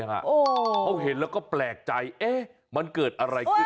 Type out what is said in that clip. เขาเห็นแล้วก็แปลกใจมันเกิดอะไรขึ้น